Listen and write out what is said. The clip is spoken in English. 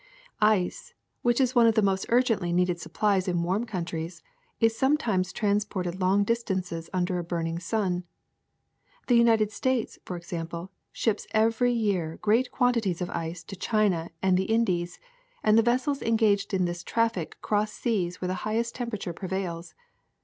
^'Ice, which is one of the most urgently needed supplies in warm countries, is sometimes trans ported long distances under a burning sun. The 'United States, for example, ships every year great quantities of ice to China and the Indies, and the vessels engaged in this traffic cross seas where the highest temperature prevails.